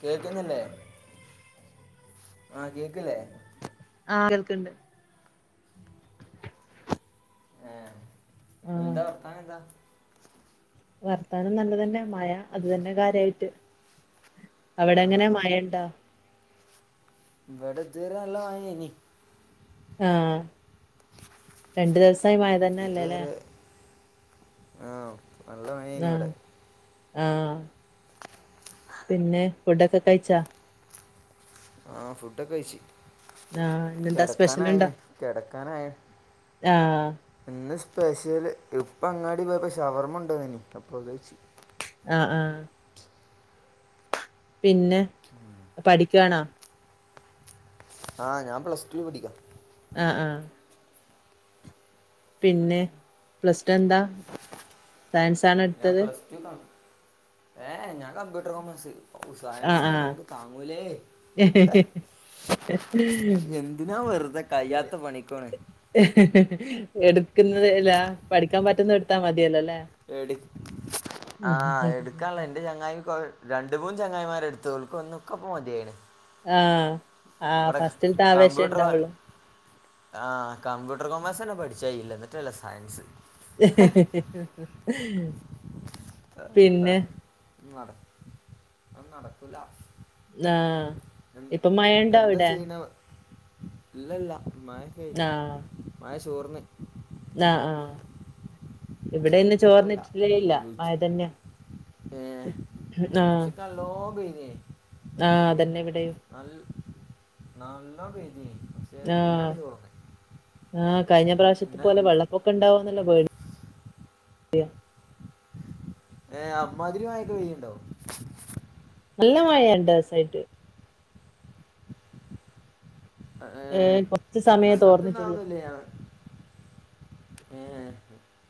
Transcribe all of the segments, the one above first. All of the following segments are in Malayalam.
കേക്കുന്നില്ലേ ആ കേക്കല്ലേ ആഹ് കേൾക്കുണ്ട് ആഹ് ആഹ് എന്താ വർത്താനം എന്താ വർത്താനം നല്ലതന്നെ മയ അത് തന്നെ കാര്യയിട്ട്. ആ അവിടെങ്ങനെ ആ. മഴയൊണ്ടോ ഇവിടെ ഇതുവരെ നല്ലാ മഴ ആയിനി ആഹ് രണ്ടു ദിവസമായി മഴ തന്നെ അല്ലേ അല്ലേ ആഹ് നല്ല മഴയാനി ആഹ് ഇവിടെ ആഹ് പിന്നെ ഫുഡൊക്കെ കഴിച്ചോ? ആഹ് ഫുഡൊക്കെ കഴിച്ച് ആഹ് ഇന്നെന്താ സ്പെഷ്യല്ണ്ടോ കിടക്കാനായിന് കിടക്കാനായി ആഹ് ഇന്ന് സ്പെഷ്യല് ഇപ്പം അങ്ങാടി പോയപ്പം ഷവർമ കൊണ്ട് വന്നിനി അപ്പോ അത് കഴിച്ച് ആ ആ പിന്നെ പഠിക്കുവാണോ ആഹ് ഞാൻ പ്ലസ് ടു പഠിക്കാ ആ ആ പിന്നെ പ്ലസ് ടു എന്താ സയൻസ് ഞാൻ പ്ലസ് ടു കാണും ഏഹ് ഞാൻ കമ്പ്യൂട്ടർ കൊമേഴ്സ് സയൻസ് ആഹ് ഒന്നും ആഹ് നമുക്ക് താങ്ങൂലേ എന്തിനാ വെറുതെ കഴിയാത്ത പണിക്കോണ് എടുക്കുന്നത് ഇലാ പഠിക്കാൻ പറ്റുന്നത് എടുത്താ മതിയല്ലോ അല്ലേ? എടു ആഹ് എടുക്കാനുള്ള എന്റെ ചങ്ങായി ഇപ്പം രണ്ട് മൂന്ന് ന്ന് ചങ്ങായിമാരെടുത്ത് ഓൾക്ക് ഒന്ന്ക്കപ്പ മതിയാണ് ആഹ് ആ ഫസ്റ്റിലത്തെ ആവേശം കമ്പ്യൂട്ടർ ഇണ്ടാവുള്ളു. ആഹ് കമ്പ്യൂട്ടർ കൊമേഴ്സ് തന്നെ പഠിച്ചായില്ല എന്നിട്ടല്ലേ സയൻസ് പിന്നെ നട അതൊന്നും നടക്കൂല ആഹ് ഇപ്പം മഴ ഉണ്ടോ അവിടെ ഇല്ലില്ല മയ കയിഞ്ഞ് ആഹ് മയ ചോർന്ന് ആഹ് ആഹ് ഇവിടെ ഇന്ന് ചോർന്നിട്ടില്ലേ ഇല്ല മയ തന്നെയാ ഏ ഉച്ചക്ക്‌ നല്ലോ പെയ് ആ അതന്നെ ഇവിടെയും [unintelligible] പെയ്തീനി പക്ഷെ പിന്നാണ്ട് ചോർന്ന് ആ കഴിഞ്ഞ പ്രാവശ്യത്തെ പിന്നെ പോലെ വെള്ളപ്പൊക്കം ഉണ്ടാവും ന്നുള്ള പേടിയാ ഏ അമ്മാതിരി മയയൊക്കെ പെയ്യ്ണ്ടോ നല്ല മഴയാ രണ്ടു ദിവസായിട്ട് ഏ ഏഹ് കൊറച്ച് സമയേ ഞങ്ങക്ക് ന്നാ തോർന്നിട്ടുള്ളൂ അഒന്നുല്ല ഞ ഏ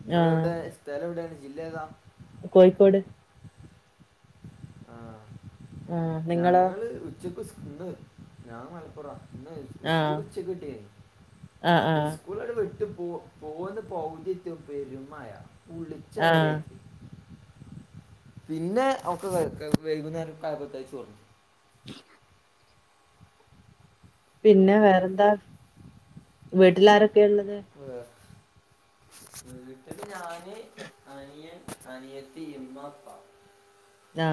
നിങ്ങള് ആഹ് എവിടെയാ സ്ഥലം എവിടെയാണ് ജില്ല ഏതാ കോഴിക്കോട് ആ ആഹ് നിങ്ങളോ ഞങ്ങള് ഉച്ചക്കു ഫുഡ്‌ ഞാൻ മലപ്പുറവാ [unintelligible] ആഹ് സ്കൂള് ഉച്ചക്ക് വിട്ടേനി ആഹ് ആഹ് ഉസ്കൂൾ [unintelligible] ഇട്ട് പോ പോന്ന് പവ്തി എത്തി പെരുമയ കുളിച്ച ആഹ് വെരെയായി പിന്നെ അവക്ക് വൈകുന്നേരം [unintelligible] പിന്നെ വേറെന്താ വീട്ടിൽ ആരൊക്കെയാ ഉള്ളത് വേറെ വീട്ടില് ഞാന് അനിയൻ അനിയത്തി ഇമ്മ ഇപ്പ ആ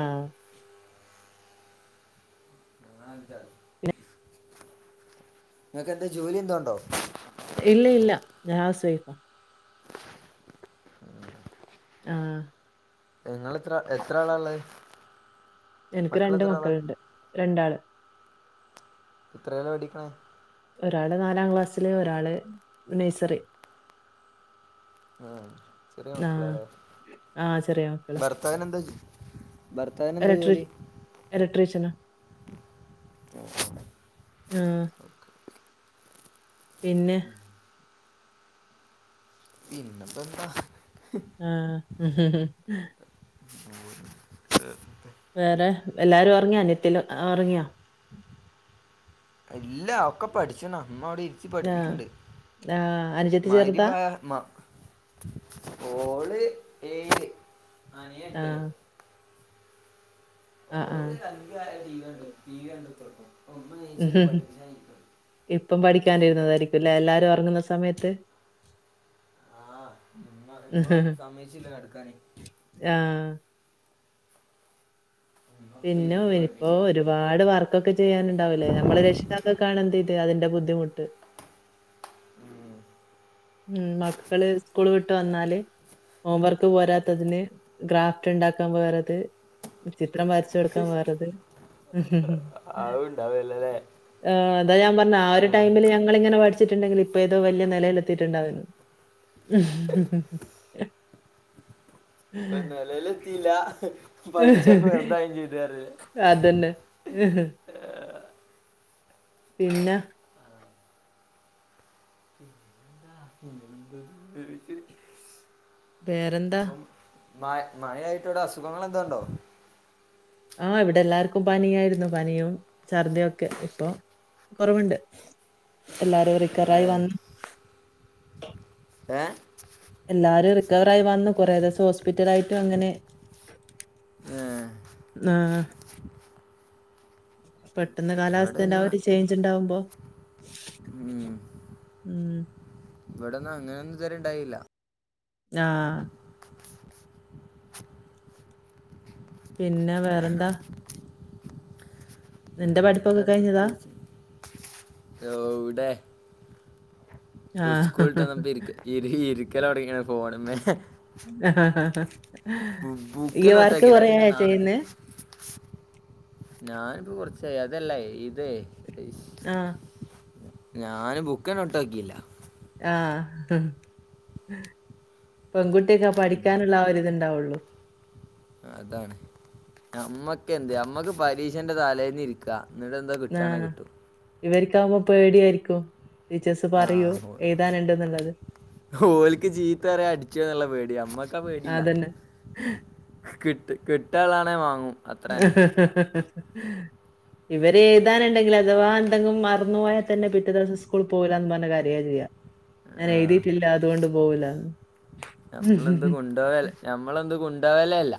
നിങ്ങക്ക്‌ എന്താ ജോലി എന്തോ ഒണ്ടോ ആ ആ നിങ്ങെത്ര എത്ര ആളാള്ളത്? എനക്ക് മക്കൾ രണ്ട് എത്ര ആളാ മക്കളുണ്ട് രണ്ടാള്. എത്രേല പഠിക്ക്ണെ? ഒരാള് നാലാം ക്ലാസ്സില് ഒരാള് നേയ്സറി. ഉ ചെറിയ ആഹ്. മക്കളല്ലേ ആഹ് ചെറിയ മക്കള്. ഭർത്താവിന എന്താ ഭർത്താവിന് എന്താ ഇലക്ട്രീ ജോലി ഇലക്ട്രീഷന ആ- പിന്നെ പിന്നെപ്പ എന്താ ആ മ് വേറെ എല്ലാരും ഒറങ്ങിയാ നിത്തിൽ ഉറങ്ങിയാ? ഇല്ല ഒക്കെ പഠിച്ണ്അമ്മ അവിടെ ഇരിത്തി ആഹ്. പഠിപ്പിക്ണ്ട്. ആഹ്. അനുജത്തി ചെറുതാ? മഗ്രിബായ ഓള് ഏയിൽ അനിയൻ എട്ടിൽ. ആഹ്. ആഹ്, ഓല് ആഹ്. അന്തിയായാല് ടി വി കണ്ടു ത്തറ്ക്കും. ഉ ഇപ്പം പഠിക്കാനിരുന്നതായിരിക്കും ലേ എല്ലാരും കടന്നൊറങ്ങുന്ന സമയത്ത്. ആഇമ്മ ഇ്പ സമ്മയച്ചില്ല കട് ക്കാന്. ആഹ്. ഇമ്മ ഇപ്പൊ പിന്നും ഇരുത്തി ഇപ്പോ പഠിപ്പിച്ചാ ഒരുപാട് വർക്കൊക്കെ ചെയ്യാനുണ്ടാവില്ലേ നമ്മൾ രക്ഷിതാക്ക ൾക്കാണ് എന്ത ചെയത് അതിന്റെ ബുദ്ധിമുട്ട്. [unintelligible] ഉം സ്കുൾ വിട്ട് വന്നാല്. ഹോംവർക്ക് പോരാത്തതിന് ഗ്രാഫ്റ്റ് ഉണ്ടാക്കാൻ വേറത് ചി ചിത്രം വരച്ചു കൊടുക്കാൻ വേറത് അതുണ്ടാവല്ലല്ലേ ആ അതാ ഞാൻ പറഞ്ഞ ആ ഒരു ആഹ് ടൈമില് ഞങ്ങളിങ്ങനെ പഠിച്ചിട്ടുണ്ടെങ്കിൽ ഇപ്പ ഏതോ വലിയ നി ലേൽ ത്തിട്ടുണ്ടാവുന്നു ഇപ്പൊ നിലേൽ എത്തീല്ല പഠിച്ചൊക്കെ വെറുതായും ചെയ്തു. അതന്നെ. [unintelligible] പിന്നെ വേറെന്താ? മ മഴയായിട്ടവിടെ അസുഖങ്ങൾ എന്തോണ്ടോ? ആഹ് ഇവിടെ എല്ലാർക്കും പനിയായിരുന്നു പനിയും ഛർദിയൊക്കെ ഇപ്പൊ കുറവുണ്ട് എല്ലാരും റിക്കവറായി ഏഹ് വന്നു ഏഹ് എല്ലാരും റിക്കവർ ആയി വന്നു ഏഹ് ആഹ് പെട്ടെന്ന് ഇവിടെ കാലാവസ്ഥേന്റെ ആ പിന്നെ ഒരു ചേഞ്ച് ഇണ്ടാവുമ്പോ ഉം ഉം ഇവിടൊന്നും അങ്ങനൊന്നും ഇതു വരെണ്ടായില്ല ആഹ് പിന്നെ വേറെന്താ? നിന്റെ പഠി [unintelligible] ഇസ്കൂള്ട്ടന്നപ്പം ആഹ് ഇ ഇരിക്കലൊടങ്ങിയ ഫോണുമെ ആ ഹാ ബുക്ക് യ വർക്ക് നോട്ടാക്കിയില്ല പിന്നെ കൊറയായ നാ ചെയ്ന്നെ ഞാനിപ്പോ കുറച്ചായി അതല്ലേ ഇത് ആഹ് ഞാന് ബുക്കെനെ തൊട്ടോക്കീല. ആഹ് പെൺകുട്ടിക്ക് പഠിക്കാനുള്ള ആ ഒരിത് ഇതുണ്ടാവൊള്ളു അതാണ് നമ്മക്കെന്ത് നമ്മക്ക് പരീക്ഷന്റെ തലേന്ന് ഇരിക്കാ ആ ഇവര്ക്കാവുമ്പോ പേടിയാരിക്കും ടീച്ചേഴ്സ് പറയും എഴുതാനുണ്ടെന്നുള്ളത് ഓലിക്ക് ചീത്ത പറയോ അടിക്കൊന്നുള്ള പേടിയാ ഞമ്മക്കാ ആ പേടിയില്ല അതന്നെ കിട്ട് കിട്ടാനുള്ളേ വാങ്ങും അത്രന്നെ [inaudible] ഇവര് എഴുതാനുണ്ടെങ്കിൽ അഥവാ എന്തെങ്കിലും മറന്നു പോയാൽ തന്നെ പിറ്റത്തെ ദിവസം സ്കൂളിൽ പോകില്ലാന്ന് പറഞ്ഞ് കരയാ ചെയ്യാ ഞാൻ ആ എഴുതിയിട്ടില്ല അതുകൊണ്ട് പോവൂല്ലാന്ന് നമ്മളെന്ത് കൊണ്ടാവല്ല നമ്മളെന്ത് കൊണ്ടുപോവലേല്ല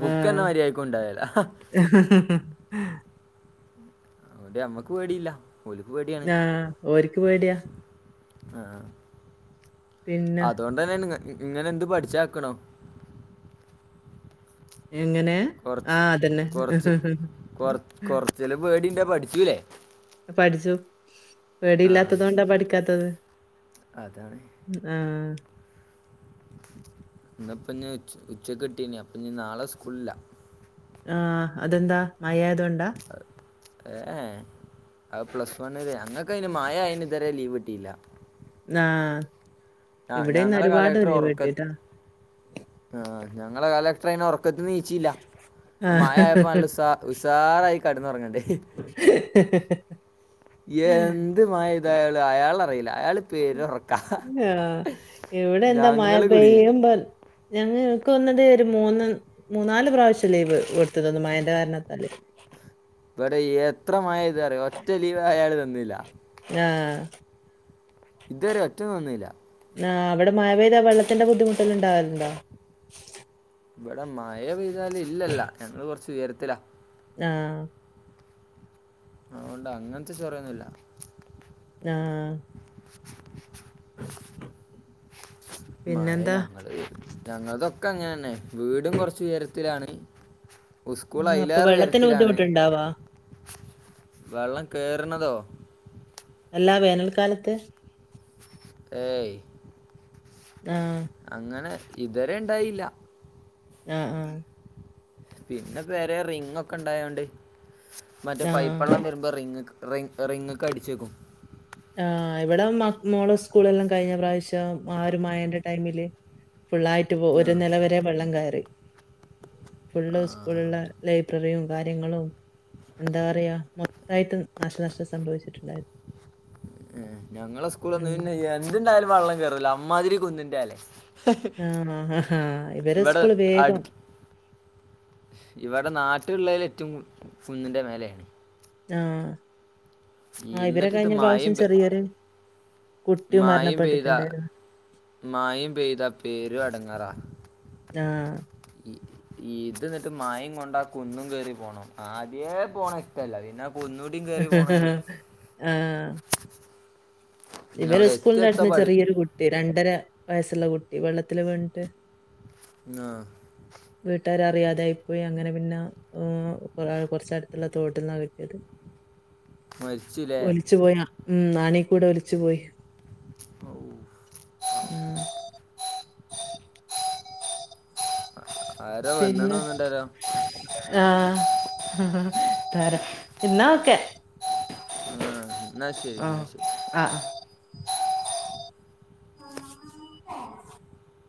ബുക്ക് തന്നെ ആഹ്. മര്യാദക്ക് കൊണ്ടോവലില്ല [inaudible] അതോണ്ട് നമ്മക്ക് പേടിയില്ല ഓലിക്ക് പേടിയാണ് ആ ഓര്ക്ക് പേടിയാ ആ പിന്നെ അതുകൊണ്ട് തന്നെയാണ് ഇങ്ങനെ എന്ത് പഠിച്ചാക്കണം എങ്ങനെ? ആ കൊറച്ച് അതന്നെ. കൊറച്ച് കൊറ കൊറച്ചേലും പേടിണ്ടേ പഠിചൂലേ പഠിച്ചു പേടിയില്ലാത്തത് കൊണ്ടാ പഠിക്കാത്തത് അതാണ് ആ ഇന്നിപ്പം ഞ് ഉച്ചക്ക് വിട്ടിനി അപ്പം ഇഞ് നാളെ സ്കൂളില്ല ആ അതെന്താ മഴയായതു കൊണ്ടാ ഏ ഏ അത് പ്ലസ് വണിലാ ഞങ്ങക്കയിന് മഴ ആയന് ഇത് വരെ ലീവ് കിട്ടിയില്ല ആ ആ ഇവിടിന്ന് ഞങ്ങളെ ഒരുപാട് കലക്ടർ ഉരുള് ഉറക്ക പൊട്ടിട്ടാ ആ, ഞങ്ങളെ കലക്ടർ അയിന് ഉറക്കത്തിന്ന് നീച്ചില്ല മഴ ആയപ്പോ നല്ല ഉസാ ഉസാറായി കെടന്നുറങ്ങണ്ടേ [inaudible] ആ. എന്തു മഴ പെയ്താലും അയാൾ അറിയില്ല അയാള് ആ ഇവിടെ എന്താ മഴ ഞങ്ങള് കുടുങ്ങി പെയ്യുമ്പോ ഞങ്ങ ക്ക് തോന്നത് ഒരു മൂന്ന് മൂന്നാല് പ്രാവശ്യം ലീവ് കൊടുത്തതന്ന് മഴന്റെ കാരണത്താല് ഇവിടെ എത്രമയ പെയ്തറിയോ ഒറ്റ ലീവ് അയാൾ തന്നില്ല ആ ഇതുവരെ ഒറ്റന്നും വന്നില്ല ആ അവിടെ മഴ പെയ്താ വെള്ളത്തിന്റെ ബുദ്ധിമുട്ടല്ലാ ഇണ്ടാവലുണ്ടോ ഇവിടെ മഴ പെയ്ദാൽ ഇല്ലല്ല ഞങ്ങള് കൊറച്ച് ഉയരത്തിലാ ആ അതോണ്ട് അങ്ങനത്തെ ചൊറയൊന്നുല്ല ആ [inaudible] മഴ പിന്നെന്താ ഞങ്ങള് ഞങ്ങളതൊക്കെ അങ്ങനെ തന്നെ വീടും കൊറച്ച് ഉയരത്തിലാണ് ആ, ഉസ്കൂൾ അപ്പൊ അതിലേറെ വെള്ളത്തിന് ഉയരത്തിലാണ് ബുദ്ധിമുട്ടുണ്ടാവാ വെള്ളം കേറുണതോ അല്ലാ വേനൽക്കാലത്ത് ഏയ് ആ അങ്ങനെ ഇതുവരെ ഇണ്ടായില്ല ആ ആ പിന്നെ പേരെ റിങ്ങ് ഒക്കെ ഇണ്ടായോണ്ട് മറ്റേ ആ പൈപ്പള്ളം വരുമ്പോ റിങ് റിങ്ങ് റിങ്‌ക്ക് അടിച്ചക്കും ആ ഇവിടെ മ മോളോ സ്കൂള് എല്ലാം കഴിഞ്ഞ പ്രാവശ്യം ആ ഒരു മയന്റെ ടൈമില് ഫുള്ളായിട്ട് പോ ആ. ഒരു നില വരെ വെള്ളം കയറി ഫുള്ള് ആ. സ്കൂളുള്ള ലൈബ്രറിയും കാര്യങ്ങളും എന്താ പറയാ മൊത്തായിട്ട് നാശനഷ്ടം സംഭവിച്ചിട്ടുണ്ടായിരുന്നു ഞങ്ങളെ ഉസ്കൂള ഉം ഒന്നൂന്നെ എന്തുണ്ടായാലും വെള്ളം കേറില്ല അമ്മാതിരി കുന്നിന്റേലെ ആണോ ആഹ് ഇവരെ ഉസ്കൂള് വേഗം അടുത്ത് ഇവിടെ നാട്ടിലുള്ളതിൽ ഏറ്റും കുന്നിന്റെ മേലെ ആഹ് എന്നിട്ട് കുട്ടിയും മയ പെയ്ത മരണപ്പെട്ടിട്ടുണ്ടായിരുന്നു മയ പെയ് ആഹ് ഇതെന്നിട്ട് മയേ കൊണ്ടാ കുന്നും കേറി പോണം ആദ്യേ പോണം ഇഷ്ടല്ല പിന്നെ കുന്നൂടി കേറി പോണല് ഇവര് ഉസ്കൂളിന്റെ അടുത്ത്ന്ന് ചെറിയൊരു കുട്ടി രണ്ടര വയസ്സുള്ള കുട്ടി വെള്ളത്തില് വീണിട്ട് ആ, വീട്ടാര് അറിയാതെ കൊറച്ചടത്തുള്ള തോട്ട്ന്നാ മരിച്ചൂല്ലെ ഉം നാണി കൂടെ ഒലിച്ചു പോയി ഔ ഔ ഉം ആഹ് പിന്നെ ആഹ് തരാ എന്നാ ഓക്കെ ആഹ് ന്നാ ശരി ന്നാ ആഹ് ശരി ആഹ്